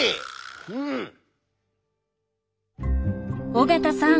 尾形さん